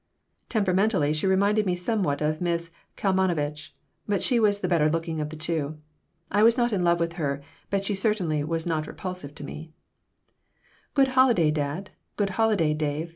Temperamentally she reminded me somewhat of Miss Kalmanovitch, but she was the better looking of the two. I was not in love with her, but she certainly was not repulsive to me "Good holiday, dad! Good holiday, Dave!"